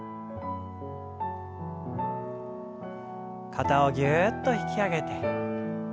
肩をぎゅっと引き上げて下ろして。